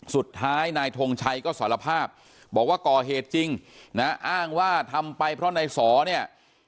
สุดท้ายนายทงชัยก็สารภาพบอกว่าก่อเหตุจริงนะอ้างว่าทำไปเพราะนายสอเนี่ย